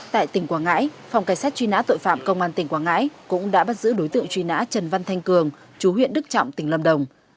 tại tỉnh quảng ngãi phòng cảnh sát truy nã tội phạm công an tỉnh quảng ngãi cũng đã bắt giữ đối tượng truy nã trần văn thanh cường chú huyện đức trọng tỉnh lâm đồng